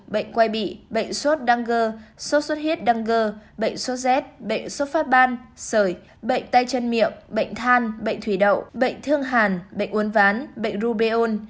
bệnh quay bị bệnh sốt đăng gơ sốt sốt hiết đăng gơ bệnh sốt z bệnh sốt phát ban sởi bệnh tay chân miệng bệnh than bệnh thủy đậu bệnh thương hàn bệnh uốn ván bệnh rubeon